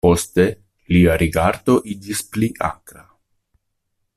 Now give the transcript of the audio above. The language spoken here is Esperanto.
Poste lia rigardo iĝis pli akra.